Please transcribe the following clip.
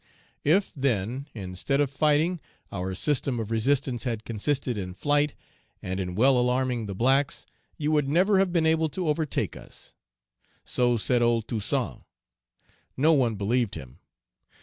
If, then, instead of fighting, our system of resistance had consisted in flight, and in well alarming the blacks, you would never have been able to overtake us. So said old Toussaint; no one believed him.